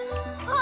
あ！